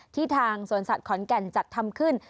ทางสวนสัตว์ขอนแก่นจัดทำขึ้น